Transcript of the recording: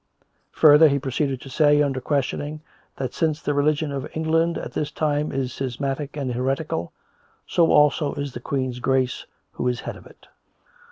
Further, he proceeded to say, under questioning, that since the religion of England at this time is schismatic and heretical, so also is the Queen's Grace who is head of it.